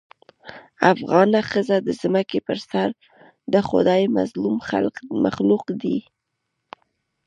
افغانه ښځه د ځمکې په سر دخدای مظلوم مخلوق دې